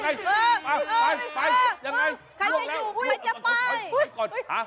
ใครจะอยู่ใครจะไป